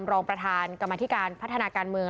รองประธานกรรมธิการพัฒนาการเมือง